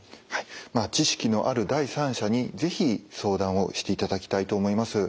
知識のある第三者に是非相談をしていただきたいと思います。